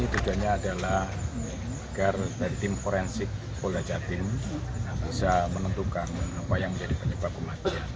tujuannya adalah agar dari tim forensik polda jatim bisa menentukan apa yang menjadi penyebab kematian